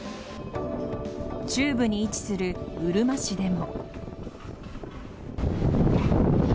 中部に位置する、うるま市でも。